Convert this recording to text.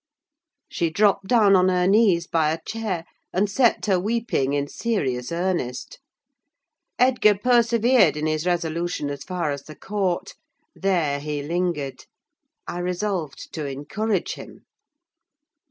She dropped down on her knees by a chair, and set to weeping in serious earnest. Edgar persevered in his resolution as far as the court; there he lingered. I resolved to encourage him.